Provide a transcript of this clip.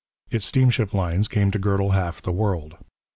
Its steamship lines came to girdle half the world.